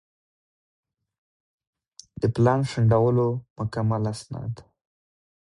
د پلان شنډولو مکمل اسناد